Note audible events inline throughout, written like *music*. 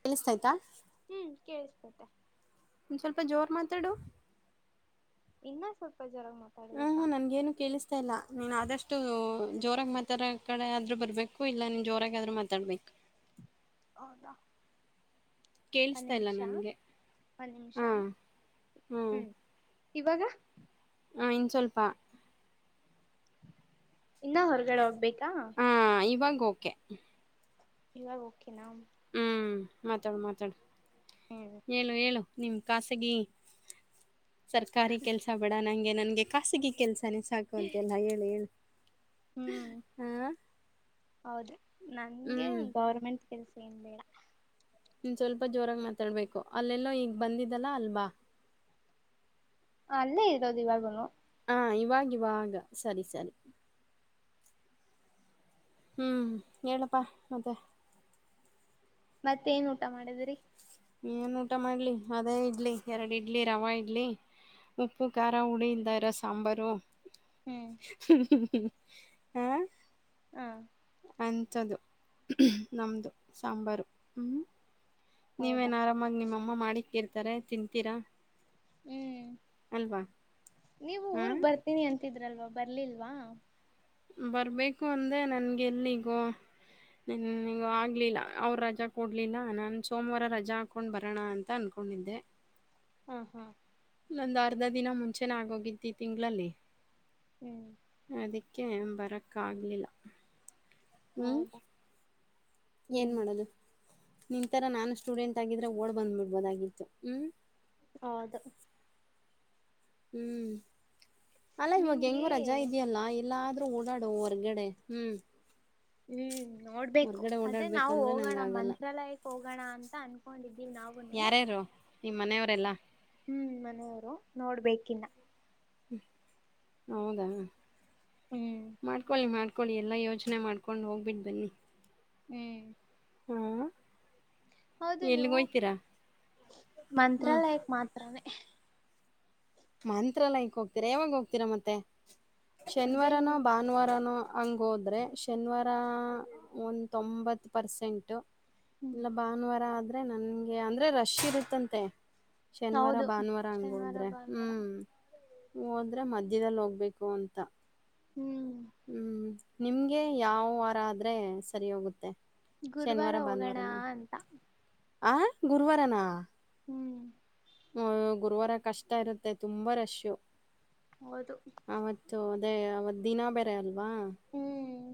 ಕೇಳಿಸ್ತಾ ಆಯ್ತ ಮತ್ತೆ ಒಂದ್ ಸ್ವಲ್ಪ ಜೋರ್ ಮಾತಾಡು. ಇನ್ನ ಸ್ವಲ್ಪ ಜೋರಾಗಿ ಹ್ಮ್ ಮಾತಾಡ್ಬೇಕಾ ಹ್ಮ ನನ್ಗೇನು ಕೇಳಿಸ್ತಾ ಇಲ್ಲಾ ನೀನ್ ಆದಷ್ ಷ್ಟು ಜೋರಾಗಿ ಮಾತಾಡೋ ಕಡೆ ಆದ್ರು ಬರ್ಬೇಕು ಇಲ್ಲ ನೀನ್ ಜೋರಾಗಿ ಆದ್ರು ಮಾತಾಡ್ಬೇಕು. ಹೌದ ಕೇಳಿಸ್ತಾ ಇಲ್ಲ ನಂಗೆ *unintelligible* ಒಂದ್ ನಿಮಿಷ ಹ ಹ್ಮ್ ಇವಗ ಹ ಇನ್ ಸ್ವಲ್ಪ *unintelligible* ಇನ್ನ ಹೊರಗಡೆ ಹೋಗ್ಬೇಕ್ ಕಾ ಹಾ ಇವಾಗ ಓಕೆ ಇವಗ್ ಓಕೆನ ಹ್ಮ್ ಮಾತಾಡು ಮಾತಾಡು. ಹ್ಮ್ ಹೇಳು ಹೇಳು ನಿಮ್ ಖಾಸಗಿ ಸರ್ಕಾರಿ ಕೆಲ್ಸ ಬೇಡ ನಂಗೆ ನಂಗೆ ಖಾಸಗಿ ಕೆಲ್ಸ ಸನೆ ಸಾಕು ಅಂತೆಲ್ಲ ಹೇಳು ಹೇಳು ಹ್ಮ್ *unintelligible* ಹಾ ಹೌದು ನಂಗೆ ಹ್ಮ್ ಗೌರ್ಮೆಂಟ್ ಕೆಲ್ಸ ಏನ್ ಬೇಡ ನಿ ಸ್ವಲ್ಪ ಜೋರಾಗಿ ಮಾತಾಡ್ಬೇಕು ಅಲ್ಲೆಲ್ಲೋ ಈಗ್ ಬಂದಿದ್ದಲ್ಲ ಅಲ್ಬಾ *unintelligible* ಅಲ್ಲೇ ಇರೋದು ಇವಾಗೂನು. ಹ ಇವಾಗವಾಗ ಸರಿ ಸರಿ. ಹ್ಮ್ ಹೇಳಪ ಮತೆ ಮತ್ತೇನ್ ಊಟ ಮಾಡಿದ್ರಿ ಏನ್ ಊಟ ಮಾಡ್ಲಿ ಅದೇ ಇಡ್ಲಿ ಎರಡ್ ಇಡ್ಲಿ ರವ ಇಡ್ಲಿ ಉಪ್ಪು ಖಾರ ಹುಳಿ ಇಲ್ದೆ ಇರೋ ಸಾಂಬರು. ಹ್ಮ್ *unintelligible* *unintelligible* ಹ ಹ್ಮ ಅಂಥದ್ದು ನಮ್ಮ್ದು ಸಾಂಬಾರು ಹ್ಞ. ಹೌದಾ ನೀವೇನ್ ಆರಾಮಾಗಿ ನಿಮ್ಮಮ್ಮ ಅಮ್ಮ ಮಾಡಿಕ್ಕಿರ್ತಾರೆ ತಿಂತೀರಾ. ಹ್ಮ್ ಅಲ್ವಾ? ನೀವು ಆ! ಊರ್ಗ್ ಬರ್ತೀನಿ ಅಂತ್ ತಿದ್ರಲ್ವಾ ಬರ್ಲಿಲ್ವಾ. ಬರ್ಬೇಕು ಅಂದರೆ ನನ್ಗೆ ಎಲ್ಲಿಗೋ ಇನಿಗೊ ಆಗ್ಲಿಲ್ಲ ಅವ್ರು ರಜಾ ಕೊಡ್ಲಿಲ್ಲ ನಾನು ಸೋಮವಾರ ರಜಾ ಹಾಕ್ಕೊಂಡು ಬರೋಣ ಅಂತ ಅಂದ್ಕೊಂಡಿದ್ದೆ. ಹುಂ ಹುಂ ನಂದರ್ಧ ದಿನ ಮುಂಚೆನೆ ಆಗೋಗಿತ್ತೀಂಗ್ಳಲ್ಲಿ. ಹ್ಮ್ ಕ್ಕೆ ಬರೋಕ್ಕಾಗಲಿಲ್ಲ. ಹೌದಾ ಏನ್ ಹ್ಮ್ ಮಾಡೋದು? ನಿಂತರಾ ನಾನು ಸ್ಟೂಡೆಂಟ್ ಆಗಿದ್ರೆ ಓಡ್ ಬಂದ್ಬಿಡ್ಬೋದಾಗಿತ್ತು ಹ್ಮ್. ಹೌದು ಹ್ಮ್ ಅಲ್ಲ ಇವಾಗ ನಿಮ್ಗೆ ಹೆಂಗು ರಜಾ ಇದೆಯಲ್ಲ ಎಲ್ಲಾದ್ರೂ ಓಡಾಡು ಹೊರ್ಗಡೆ ಹ್ಮ್. ಹ್ಮ್ ನೋಡ್ಬೇಕು, ಅದೆ ನಾವು ಓಡಾಡಬೇಕಂದ್ರೆ ಹೋಗೋಣ ನಂಗೆ ಆಗಲ್ಲ ಮಂತ್ರಾಲಯಕ್ ಹೋಗೋಣ ಅಂತ ಅನ್ಕೊಂಡಿದ್ ವಿ ನಾವುನು. ನಿಮ್ಮನೆಯವ್ರೆಲ್ಲಾ ಹ್ಮ್ ಮನೆಯವ್ರು ನೋಡ್ಬೇಕಿನ್ನ. ಹ ಹೌದಾ ಹ್ಮ್ ಮಾಡ್ಕೊಳ್ಳಿ ಮಾಡ್ಕ ಕ್ಕೊಳಿ ಎಲ್ಲ ಯೋಜ್ನೆ ಮಾಡ್ಕೊಂಡು ಹೋಗ್ಬಿಟ್ಟು ಬನ್ನಿ. ಹ್ಮ್ ಹ್ಮ ಹೌದು ನೀವು ಹ್ಞೂ ಮಂತ್ರಾಲಯಕ್ಮಾತ್ರಾನೇ ಮಂತ್ರಾಲಯಕ್ಕ್ ಹೋಗ್ತೀರಾ ಯಾವಾಗ ಹೋಗ್ತೀರಾ ಮತ್ತೆ? ಅದೇ ಶನ್ವಾರನೋ ಭಾನ್ವಾರನೋ ಹಂಗೋದ್ರೆ ಶನಿವಾರ ಒಂದೊಂಬತ್ತ್ ಪರ್ಸೆಂಟು. ಹ್ಮ್ ಇಲ್ಲ ಭಾನುವಾರ ಆದ್ರ್ ಅದೆ ನನ್ಗೆ ಅಂದ್ರೆ ರಶ್ ಇರುತ್ತಂತೆ. ಶನಿವಾರ ಭಾನುವಾರ ಹಂಗೋದ್ರೆ ಎಲ್ಲರ ಹೋದ್ರ ಮಧ್ಯದಲ್ಲಿ ಹೋಗ್ಬೇಕು ಅಂತ ಹ್ಮ್ ನಿಮ್ಗೆ ಯಾವ್ ವಾರ ಆದ್ರೆ ಸರಿ ಹೋಗುತ್ತೆ. ಗುರುವಾರ ಶನಿವಾರ ಹೋಗೋಣ ಅಂತ ಹ ಗುರುವರನ ಹ್ಮ್ ಹ್ಮ ಗುರುವಾರ ಕಷ್ಟ ಇರುತ್ತೆ ತುಂಬಾ ರಶ್ಶು. *unintelligible* ಹೌದು ಅವತ್ತು ಅದೇ ಅವತ್ ದಿನ ಬೇರೆ ಅಲ್ವಾ *unintelligible* ಹ್ಮ್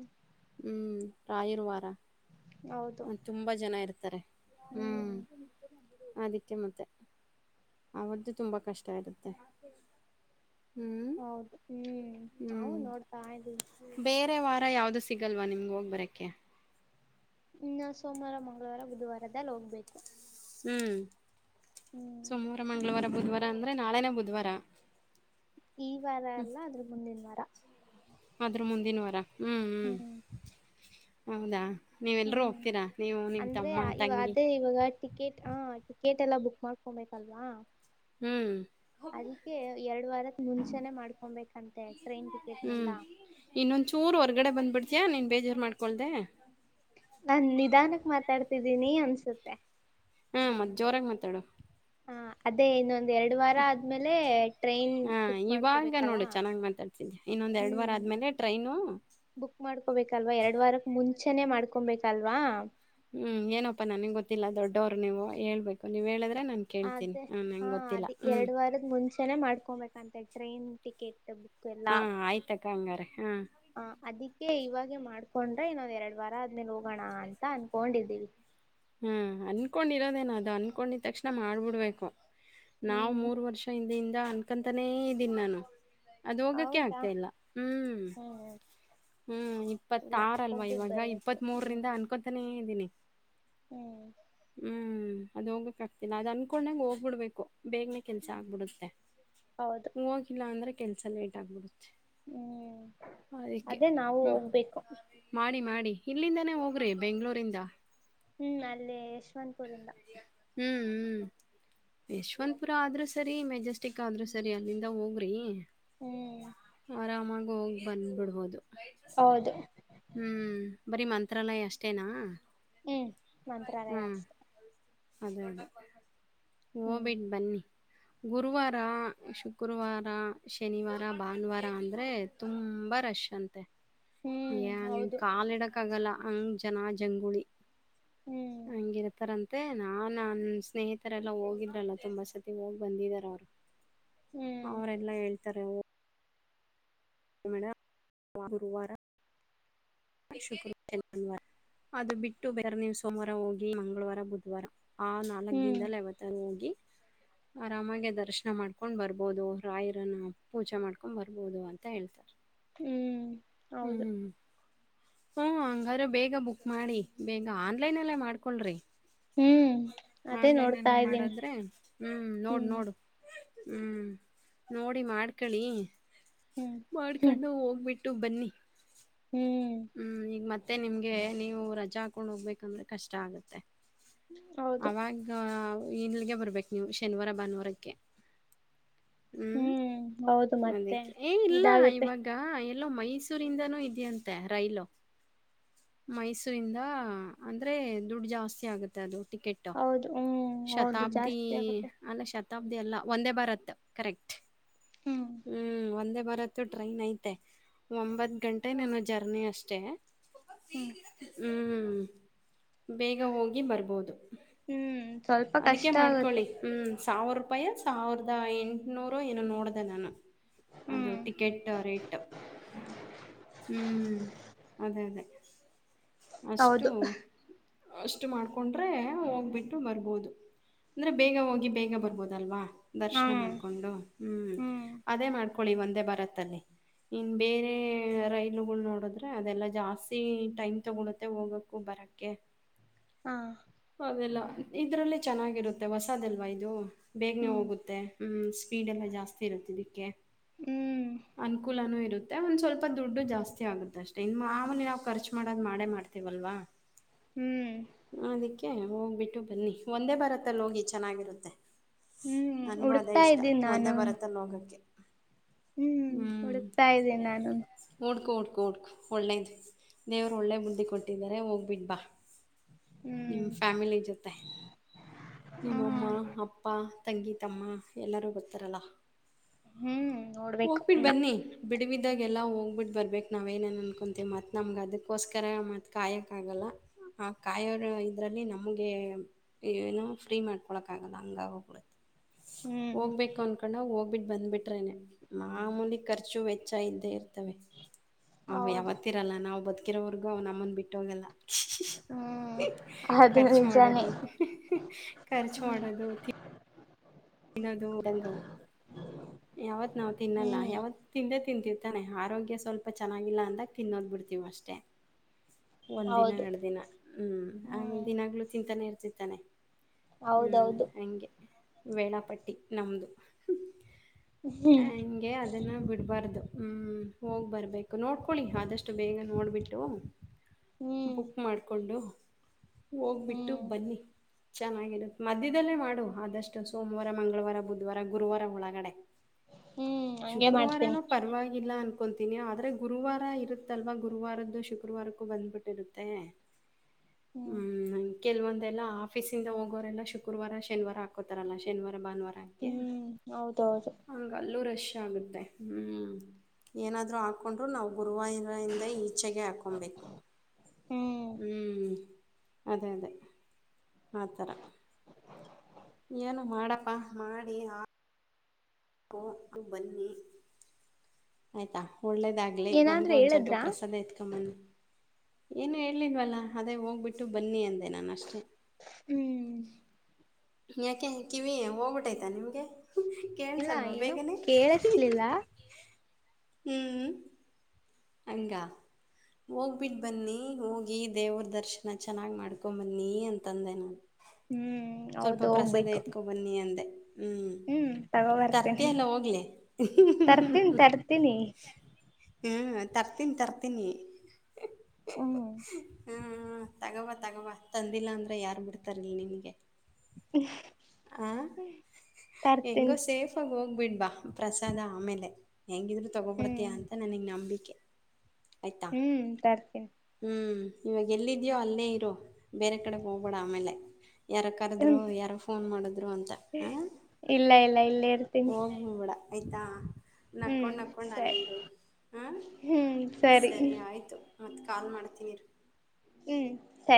ಹ್ಮ್ ರಾಯರ್ವಾರ ಹೌದು ತುಂಬಾ ಜನ ಇರ್ ರ್ತಾರೆ ಹ್ಮ್ ಅದಿಕ್ಕೆ ಮತೆ ಅವತ್ತು ತುಂಬಾ ಕಷ್ಟ ಇರುತ್ತೆ. ಹ್ಮ್ ಹೌದು ಹ್ಮ್ ನಾವು ಹ್ಮ್ ನೋಡ್ತಾ ಇದ್ದೀವಿ. ಬೇರೆ ವಾರ ಯಾವ್ದು ಸಿಗಲ್ವಾ ನಿಮ್ಗೆ ಹೋಗ್ಬರಕ್ಕೆೆ ಇನ್ನ ಸೋಮವಾರ ಮಂಗಳವಾರ ಬುಧವಾರದಲ್ಲಿ ಹೋಗ್ಬೇಕು. ಹ್ಮ್ ಹ್ಮ್ ಸೋಮವಾರ ಮಂಗಳವಾರ ಬುಧವಾ ಅಂದ್ರೆ ನಾಳೇನೇ ಬುಧ್ವಾರ ಈ ವಾರ ಅಲ್ಲ ಅದ್ರ ಮುಂದಿನ ವಾರ. ಆದ್ರ ಮುಂದಿನ ವಾರ ಹ್ಮ್ ಹ್ಮ್ *unintelligible* ಹೌದ ಹ್ಮ್ *unintelligible* ಅಂದ್ರೆ ಇವ ತಂಗಿ ಅದೇ ಇವಾಗ ಟಿಕೆಟ್ ಹ ಕೇಟ್ ಎಲ್ಲಾ ಬುಕ್ ಮಾಡ್ಕೊಬೇಕಲ್ವಾ *unintelligible* ಹ್ಮ್ ಅದಕ್ಕೆ ಎರಡು ವಾರದ್ ಮುಂಚೇನೆ ಮಾಡ್ಕೊಬೇಕಂತೆ ಟ್ರೈನ್ ಟಿಕೆಟ್ನೆಲ್ಲ ಹ್ಮ್ ಬೇಜಾರ್ ಮಾಡ್ಕೊಳ್ದೆ ನಾನ್ ನಿಧಾನಕ್ಕೆ ಮಾತ್ ತಾಡ್ತಿದ್ದೀನಿ ಅನ್ಸುತ್ತೆ. ಹಾ ಮತ್ ಜೋರಾಗ್ ಮಾತಾಡು. ಹ ಅದೇ ಇನ್ನೊಂದ್ ಎರಡು ವಾರ ಆದ್ಮೇಲೆ ಟ್ರೈನ್ ಹಾ ಬುಕ್ ಇವಾಗ ಮಾಡ್ಕೋಬೇಕಲ್ಲ ನೋಡು *unintelligible* ಚೆನ್ನಾಗ್ ಮಾತಾಡ್ತಿದ್ಯಾ ಇನ್ನೊಂದ್ ಎರಡ್ ವಾರ ಹ್ಮ್ ಆದ್ಮೇಲೆ ಟ್ರೈನು *unintelligible* ಬುಕ್ ಮಾಡ್ಕೋಬೇಕಲ್ವಾ ಎರಡು ವಾರಕ್ ಮು ಚೇನೆ ಮಾಡ್ಕೊಬೇಕಲ್ವಾ ಹ್ಮ್ ಏನಪ್ಪಾ ನನಿಗ್ ಗೊತ್ತಿಲ್ಲಾ ದೊಡ್ಡೊವ್ರು ನೀವು ಹೇಳ್ಬೇಕು ನೀವ್ ಹೇಳಿದ್ರ್ ಅ ಅದೇ ಹಾ ಅದೇ ಹ್ಮ್ ಎರಡ್ ವಾರದ್ ಮುಂಚೆ ನೆ ಮಾಡ್ಕೊಬೇಕಂತೆ ಟ್ರೈನ್ ಟಿಕೆಟ್. ಬುಕ್ ಎಲ್ಲಾ ಹಾ *unintelligible* ಆಯ್ತಕ್ಕ ಹಂಗಾರೆ ಹಾ ಹ ಅದಕ್ಕೆ ಇವಾಗೆ ಮಾಡ್ಕೊಂಡ್ರೆ ಇನ್ನ ಎರಡ್ ವಾರ ಮೆನು *unintelligible* ಹ್ಮ್ ಅನ್ಕೊಂಡಿರೋದೇನ ಅ ಅನ್ಕೊಂಡಿತಕ್ಷಣ ಮಾಡ್ಬಿಡ್ಬೇಕು. ನಾವ್ ಹ್ಮ್ ಮೂರ್ ವರ್ಷ ಹಿಂದೆ ಹಿನ್ ದ ಅನ್ಕಂತಾನೇ ಇದಿನ್ ನಾನು. ಅದು ಹೋಗಕೆ ಹೌದಾ ಆಗ್ತಾ ಇಲ್ಲ ಹ್ಮ್ *unintelligible* ಹ್ಮ್ ಹ್ಮ್ ಇಲ್ಲ ಇಪ್ಪತ್ತಾರ್ ಅಲ್ವಾ ಹೋಗ್ಬಿಟ್ ಇವಗ ಬರ್ಬೇಕು ಇಪ್ಪತ್ಮೂರು ಹ್ಮ್ ರಿಂದ ಅನ್ಕೊತನೇ ಇದಿನಿ *inaudible* ಹ್ಮ್ *unintelligible* ಹ್ಮ್ ಅದು ಹೋಗಕ್ ಆಗ್ತಿಲ್ಲ ಅದ್ ಅನ್ಕೊಂಡಂಗ್ ಹೋಗ್ಬಿಡ್ಬೇಕು. ಬೇಗ್ನೇ ಕೆಲ್ಸ ಆಗ್ಬಿಡುತ್ತೆ *unintelligible* ಹೌದು ಹೋಗಿಲ್ಲ ಅಂದ್ರೆ ಕೆಲ್ಸ ಲೇಟ್ ಆಗ್ ಬು *unintelligible* ಹ್ಮ್ ಅದಕ್ಕೆ ಅದೇ ನಾವು ಮ ಹೋಗ್ಬೇಕು ಮಾಡಿ ಮಾಡಿ ಇಲ್ಲಿಂದನೆ ಹೋಗ್ರಿ ಬೆಂಗ್ಳೂರಿಂದ. ಹ್ಮ್ ಅಲ್ಲಿ ಯಶವಂತಪುರಿಂದ ಹ್ಮ್ ಹ್ಮ್ ಯಶವಂತಪುರ ಆದ್ರು ಸರಿ ಮೆಜೆಸ್ಟಿಕ್ ಆದ್ರು ಸರಿ ಅಲ್ಲಿಂದ ಹೋಗ್ರಿ ಹ್ಮ್ ಆರಾಮಾಗಿ ಹೋಗಿ ಬಂದ್ಬಿಡ್ಬೋದು. ಹೌದು *unintelligible* ಹ್ಮ್ ಬರಿ ಮನ್ ತ್ರಾಲಯ ಅಷ್ಟೇನಾ ಹ್ಮ್ ಮಂತ್ರಾಲಯ ಹ್ಮ್ ಅಷ್ಟೇ. ಅದೇ ಅದೇ ಹ್ಮ್ ಹೋಗ್ಬಿಟ್ ಬನ್ನಿ. ಗುರುವಾರ ಶುಕ್ರವಾರ ಶನಿವಾರ ಭಾನುವಾರ ಅಂದ್ರೆ ತುಂಬಾ ರಶ್ ಅಂತೆ. ಹ್ಮ್ ಏನ್ ಹೌದು ಕಾಲಿಡಕ್ ಆಗಲ್ಲ. ಅಂಗ್ ಜನಾ ಜಂಗುಳಿ ಹ್ಮ್ *unintelligible* ಹಂಗಿರತರ ಅ ತೆ ನಾ ನನ್ ಸ್ನೇಹಿ ತೆ ರ ಎಲ್ಲ ಹೋಗಿದ್ರಲ್ಲ ತುಂಬಾ ಸತಿ ಹೋಗಿ ಬಂದಿದರ ಅವ್ರು. ಹ್ಮ್ ಅವರೆಲ್ಲಾ ಹೇಳ್ತಾರೆ ಓ ಡ *unintelligible* ಗುರುವಾರ ಶುಕ್ರವಾರ *unintelligible* ಅದು ಬಿಟ್ಟು ಬೇರೆ ನೀವು ಸೋಮವಾರ ಹೋಗಿ ಮಂಗಳವಾರ ಬುದುವಾರ ಹಾ ನಾಲ್ಕ್ ಹ್ಮ್ ದಿನದಲ್ಲಿ ಯಾವತ್ತಾದ್ರೂ ಹೋಗಿ ಆರಾಮಾಗಿ ದರ್ಶನ ಮಾಡ್ಕೊಂಡ್ ಬರ್ಬೋದು ರಾಯರನ್ನ ಪೂಜೆ ಮಾಡ್ಕೊಂಡ್ ಬರ್ಬೋದು ಅಂತ ಹೇಳ್ತರೆ. ಹ್ಮ್ ಹೌದು. ಹ್ಮ ಹಂಗಾದ್ರೆ ಬೇಗ ಬುಕ್ ಮಾಡಿ ಬೇಗ ಆನ್ಲೈನ್ಲ್ಲೇ ಮಾಡ್ಕೊಳ್ರಿ. ಹ್ಮ್ *unintelligible* ಅದೇ ಆನ್ಲೈನ್ ನೋಡ್ತಾ ಅಲ್ಲೇ ಇದ್ದೀನಿ ಮಾಡಿದ್ರೆ ಹ್ಮ್ ನೋಡ್ ನೋಡು. ಹ್ಮ್ *unintelligible* ನೋಡಿ ಮಾಡ್ಕಳಿ *unintelligible* ಹ್ಮ್ ಹ್ಮ್ ಮಾಡ್ಕೊಂಡು ಹೋಗ್ಬಿಟ್ ಟ್ಟು ಬನ್ನಿ ಹ್ಮ್ ಹ್ಮ್ ಈಗ ಮತ್ ಮತ್ತೆ ನಿಮ್ಗೆ ನೀವು ರಜಾ ಹಾಕೊಂಡ್ ಹೋಗ್ಬೇಕಂದ್ರೆ ಕಷ್ಟ ಆಗತ್ತೆ. *unintelligible* ಹೌದು ಅವಾಗ ಇಲ್ಗೆ ಬರ್ಬೇಕು ನೀವು ಶನಿವಾರ ಭಾನುವಾರಕ್ಕೆ *unintelligible* ಹ್ಮ್ ಹೌದು *unintelligible* ಮತ್ತೆ ಅದಕ್ಕೆ ಏ ಇಲ್ಲ ಇದಾಗುತ್ತೆ ಇವಾಗ ಲ್ಲ ಮೈಸೂರಿಂದಾನೂ ಇದೆಯಂ ತೆ ರೈಲು *unintelligible* ಮೈಸೂರಿಂದ ಅಂದ್ರೆ ದುಡ್ಡು ಜಾಸ್ತಿ ಆಗುತ್ತೆ ಅದು. ಟಿಕೇಟು *unintelligible* ಹೌದು ಹ್ಮ್ ಹೌದು ಶತಾಬ್ದಿ ಜಾಸ್ತಿ ಆಗುತ್ತೆ ಅಲ್ಲ ಶ ತಬ್ದಿಯಲ್ಲ ಒಂದೇ ಬಾರತ್ ಕರೆಕ್ಟ್. ಹ್ಮ್ ಹ್ಮ್ ಒಂದೇ ಭಾರತ್ ತ್ ಟ್ರೈನ್ ಐತೆ ಒಂಬತ್ ಗಂಟೆ ಏನೋ ಜರ್ನಿ ಅಷ್ಟೇ ಹ್ಮ್ *unintelligible* ಹ್ಮ್ ಹ್ಮ್ *unintelligible* ಬೇಗ ಹೋಗಿ ಬರ್ಬೋದು. ಹ್ಮ್ ಸ್ವಲ್ಪ ಕಷ್ಟ ಆಗುತ್ತೆ. ಸಾವರ್ಪಾಯಿ ಸಾವಿರದ ಎಂಟುನೂರೊ ಏನೊ ನೋಡ್ದೆ ನಾನು. ಅದು ಹ್ಮ್ ಟಿಕೆಟ್ ರೇಟ್ *unintelligible* ಹ್ಮ್ ಅದೇ ಅದೇ. ಅಷ್ಟು ಹೌದು ಅಷ್ಟು ಮಾಡ್ಕೊಂಡ್ರೆ ಹೋಗ್ಬಿಟ್ಟು ಬರ್ಬೋದು. ಅಂದ್ರೆ ಬೇಗ ಹೋಗಿ ಬೇಗ ಬರ್ಬೋದಲ್ವಾ ದರ್ಶ್ನ ಹ್ಮ್ ಮಾಡ್ಕೊಂಡು ಹ್ಮ್ ಅದೇ ಮಾಡ್ ಕೊಳಿ ಒಂದೇ ಭಾರತ್ತಲ್ಲಿ ಇನ್ ಬೇರೆ ರೈಲುಗಳು ನೋಡಿದ್ರೆ ಅದೆಲ್ಲಾ ಜಾಸ್ತಿ ಟೈಮ್ ತಗೊಳುತ್ತೆ ಹೋಗಕು ಬರಕ್ಕೆ. ಹಾ ಅದೆಲ್ಲ ಇದ್ರಲ್ಲೆ ಚೆನ್ನಾಗಿರುತ್ತೆ ಹೊಸದಲ್ವಾ ಇದು. ಬೇಗ್ನೇ ಹ್ಮ್ ಹೋಗುತ್ತೆ. ಹ್ಮ ಸ್ಪೀಡೆಲ್ಲ ಜಾಸ್ತಿ ಇರುತ್ತೆ ಇದಿಕ್ಕೇ. ಹ್ಮ್ *unintelligible* ಅನುಕೂಲಾನು ಇ ರುತ್ತೆ ಒಂದ್ ಸ್ವಲ್ಪ ದುಡ್ಡು ಜಾಸ್ತಿ ಆಗುತ್ತಷ್ಟೇ ಇನ್ ಮಾಮೂಲಿ ನಾವು ಕರ್ಚ್ ಮಾಡ್ ಮಾಡೇ ಮಾಡ್ತೀವಲ್ವಾ ಹ್ಮ್ ಕೆ ಹೋಗ್ಬಿಟ್ಟು ಬನ್ನಿ ಒಂದೇ ಭಾರತ್ತಲ್ಲಿ ಹೋಗಿ ಚೆನ್ನಾಗಿರುತ್ತೆ. ಹ್ಮ್ ನನ್ಗೂ ಅದೇ ಹುಡುಕ್ತಾ ಇಷ್ಟ ಇದ್ದೀನಿ ಒಂದೇ ನಾನು ಭಾರತ್ತಲ್ ಹೋಗಕ್ಕೆ. ಹ್ಮ್ *unintelligible* ಹುಡುಕ್ತಾ ಇದ್ದೀನ್ ನಾನುನು. ಹುಡ್ಕು ಹುಡ್ಕು ಒಳ್ಳೇದು ದೇವ್ರು ಒಳ್ಳೆ ಬುದ್ದಿ ಕೊಟ್ಟಿದರೆ ಹೋಗ್ಬಿಟ್ ಬಾ. ನಿಮ್ ಹ್ಮ್ ಫ್ಯಾಮಿಲಿ ಜೊತೆ *unintelligible* ನಿಮ್ಮಮ್ಮ ಹ್ಮ್ ಅಪ್ಪ ತಂಗಿ ತಮ್ಮ ಎಲ್ಲಾರೂ ಬರ್ತ್ತಾರಲ ಹ್ಮ್ ನೋಡ್ಬೇಕು ಹೋಗ್ಬಿಟ್ ಇನ್ನ ಬನ್ನಿ ಬಿಡಿವಿದ್ದಾಗೆಲ್ಲ ಹೋಗ್ಬಿಟ್ಟು ಬರ್ಬೇಕು ನಾವೇನೇನು ಅನ್ಕೊಂತೀವಿ ಮತ್ ನಮಗೆ ಅದಕ್ ಕೋಸ್ಕರ ಮತ್ತು ಕಾಯೋಕ್ಕಾಗಲ್ಲ ಆ ಕಾಯೋರು ಇದ್ರಲ್ಲಿ ನಮಗೆ ಏನು ಫ್ರೀ ಮಾಡ್ಕೊಳಕ್ಕಾಗಲ್ಲ ಹಂಗಾಗೋಗ್ಬಿಡುತ್ತೆ. ಹ್ಮ್ ಹೋಗ್ಬೇಕು ಅನ್ಕೊಂಡಗ ಹೋಗ್ಬಿಟ್ ಬಂದ್ಬಿಟ್ರೇನೆ ಮಾಮೂಲಿ ಖರ್ಚು ವೆಚ್ಚ ಇದ್ದೇ ಇರ್ ತವೆ ಆವ್ ಹೌದು ಯಾವತ್ತಿರಲ್ಲ ನಾವು ಬದಕ್ ಕ್ಕಿರೊವರ್ಗು ಅವ್ ನಮ್ಮನ್ ಬಿಟ್ಟೋಗಲ್ಲ. ಹ್ಮ್ *unintelligible* ಅದು ಖರ್ಚು ನಿಜಾನೇ ಮಾಡೋದು *unintelligible* ಖರ್ಚು ಮಾಡೋದು ತಿ ತಿನ್ನದು ದಂಗವು *unintelligible* ಯಾವತ್ ನಾವ್ ತಿನ್ನಲ್ಲ ಹ್ಮ್ ಯಾವತ್ ತಿಂದೆ ತಿಂತಿವ್ ತಾನೇ ಆರೋಗ್ಯ ಸ್ವಲ್ಪ ಚೆನ್ನಾಗಿಲ್ಲ ಅಂದಾಗ ತಿನ್ನೋದ್ ಬಿಡ್ತಿವ ಅಷ್ಟೇ. ಒಂದ್ ದಿನ ಹೌದು ಎರಡ್ ದಿನ ಹ್ಮ್ ಆಮೇಲೆ ಹ್ಮ್ ದಿನಾಗ್ಲು ತಿಂತನೆ ಇರ್ ತಾನೆ ಹ್ಮ್ ಹೌದೌದು ಹಂಗೆ ವೇಳಾಪಟ್ಟಿ ನಮ್ದು ಹ್ಮ್ ಹಂಗೆ ಅದನ್ನ ಬಿಡ್ಬಾರ್ದು ಹ್ಮ್ ಹೋಗ್ ಬರ್ಬೇಕು ನೋಡ್ಕೊಳಿ ಆದಷ್ಟು ಬೇಗ ನೋಡ್ಬಿಟ್ಟು ಹ್ಮ್ ಬುಕ್ ಮಾಡ್ಕೊಂಡು ಹೋಗ್ಬಿಟ್ಟು ಹ್ಮ್ ಬನ್ನಿ. ಚೆನ್ನಾಗಿರುತ್ತೆ ಮಧ್ಯದಲ್ಲೇ ಮಾಡು ಆದಷ್ ಸೋಮವಾರ ಮಂಗಳವಾರ ಬುಧವಾರ ಗುರುವಾರ ಒಳಗಡೆ ಹ್ಮ್ ಹಂಗೆ ಮಾಡ್ತೀನಿ. ಇಲ್ಲ ಅನ್ಕೊತೀನಿ ಆದ್ರೆ ಗುರುವಾರ ಇರುತ್ತಲ್ವಾ ಗುರುವಾರದ್ದು ಶುಕ್ರವಾರಕ್ಕೂ ಬಂದ್ಬಿಟ್ಟಿರುತ್ತೆ. ಹ್ಮ್ ಕೆಲವಂದೆಲ್ಲ ಆಫೀಸ ಇಂದ ಹೋಗೋರೆಲ್ಲ ಶುಕ್ರವಾರ ಶನಿವಾರ ಕೊತಾರಲ್ಲ ಶನಿವಾ ಭಾನುವಾರ ಹಂಗೆ *unintelligible* ಹ್ಮ್ ಹೌದೌದು ಹಂಗಲೂ ರೆಸ್ ಶ್ ಆಗುತ್ತೆ ಹ್ಮ್ ಏನಾದ್ರು ಹಾಕೊಂಡ್ರು ನಾವು ಗುರುವಾರಿಂದ ಈ ಚ್ಚೆಗೆ ಆಕೊಂಬೇಕು ಹ್ಮ್ ಹ್ಮ್ ಅದೇ ಅದೇ ಆತರ ಏನು ಮಾಡಪ್ಪಾ ಮಾಡಿ ಆ ಪೋರ್ಕ್ ಬನ್ನಿ ಆಯ್ತಾ ಒಳ್ಳೇದಾಗ್ಲಿ ನಮ್ಗೂ ಏನಾದ್ರೂ ಒಂದು ಸ್ವಲ್ಪ ಹೇಳದ್ರಾ ಪ್ರಸಾದ ಯತ್ಕಬನ್ನಿ. ಏನು ಹೇಳಿಲ್ವಲ್ಲ ಅದೇ ಓಗ್ಬಿಟ್ಟು ಬನ್ನಿ ಅಂ ದೆ ನಾನಷ್ಟೆ ಹ್ಮ್ *unintelligible* ಯಾಕೆ ಕಿವಿ ಹೋಗ್ಬಿಟ್ಟೈತ ನಿಮ್ಗೆ. ಇಲ್ಲ ಏನು ಕೇಳಿಸಲಿಲ್ಲ ಹ್ಮ್ ಹಂಗ *unintelligible* ಹೋಗ್ಬಿಟ್ ಬನ್ನಿ ಹೋಗಿ ದೇವ್ರ ದರ್ಶ ನ ಚೆನ್ನಾಗಿ ಮಾಡ್ಕೊಂಡ್ ಬನ್ನಿ ಅಂ ತಂದೇ ನಾನು ಹ್ಮ್ ಹೌದು ಹೋಗ್ಬೇಕು. ಹ್ಮ್ ತಗೋ ಬರ್ತೇನಿ ತರ್ತೀಯ ಇಲ್ಲ ಹೋಗ್ಲಿ ತರ್ತೀನಿ *unintelligible* ತರ್ತೀನಿ ಹ್ಮ್ ತರ್ತೀನಿ ತರ್ತೀನಿ ಹ್ಮ್ ಹ ಹ ತಗಬಾ ತಗಬಾ ತಂದಿಲ್ಲ ಅಂದ್ರೆ ಯಾರ್ ಬಿಡ್ತಾರಿ ಇಲ್ಲಿ ನಿನಗೆ *unintelligible* ಹ ಎಂಗೋ ತರ್ತೀನಿ ಸೇಫ್ ಆಗಿ ಹೋಗ್ ಬಿಡ್ಬಾ ಪ್ರಸಾದ ಆಮೇಲೆ ಹೆಂಗಿದ್ರು ಹ್ಮ್ ತಗೊಬಡ್ತೀಯ ಅಂತ ನನಗ್ ನಂಬಿ ಕೆ ಹ್ಮ್ ತರ್ತೀನ್ ಹ್ಮ್ ಇವಾಗ ಎಲ್ಲಿದ್ಯೋ ಅಲ್ಲೇ ಇರೋ ಬೇರೆ ಕಡೆ ಹೋಗ್ಬೇಡ ಆಮೇಲೆ ಯಾರ ಹ್ಮ್ ಕರೆದ್ರು ಯಾರೋ ಫೋನ್ ಮಾಡಿದ್ರು ಅಂತ ಹಾ ಇಲ್ಲ ಇಲ್ಲ *unintelligible* ಇಲ್ಲೇ ಇರ್ತೀನಿ ಹೋಗ್ಲು ಬೇಡ. ಆಯ್ತಾ ಹ್ಮ್ ನಕ್ಕೊಂಡ್ ನಕ್ಕೊಂಡ ಅಲ್ಲೆ ಸರಿ ಇರು ಹಾ ಸರಿ ಆಯ್ತು ಮತ್ ಕಾಲ್ ಮಾಡ್ತನಿ ಇರು. ಹ್ಮ್ ಸರಿ